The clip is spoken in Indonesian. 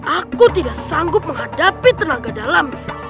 aku tidak sanggup menghadapi tenaga dalam